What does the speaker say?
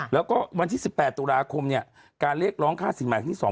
แล้วก็วันที่๑๘ตุลาคมเนี่ยการเรียกร้องค่าสินใหม่ที่๒